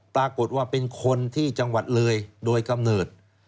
ปรากฏว่าเป็นคนที่จังหวัดเลยโดยกำเนิด